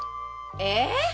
え？